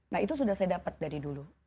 nah itu sudah saya dapat dari dulu